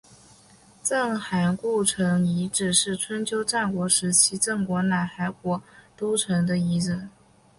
郑韩故城遗址是春秋战国时期郑国及韩国都城的遗址。